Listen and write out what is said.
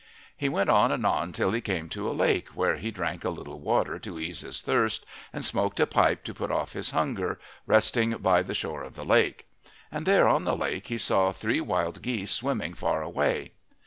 He went on and on till he came to a lake, where he drank a little water to ease his thirst, and smoked a pipe to put off his hunger, resting by the shore of the lake. And there on the lake he saw three wild geese swimming far away.